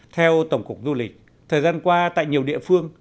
theo tổng cục du lịch thời gian qua tại nhiều địa phương